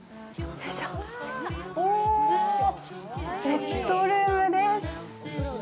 ベッドルームです。